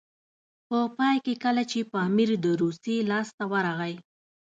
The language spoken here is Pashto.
په پای کې کله چې پامیر د روسیې لاسته ورغی.